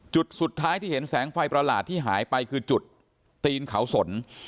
จุดสุดท้ายที่เห็นแสงไฟประหลาดที่หายไปคือจุดตีนเขาสน